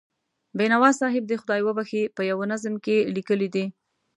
بینوا صاحب دې خدای وبښي، په یوه نظم کې یې لیکلي دي.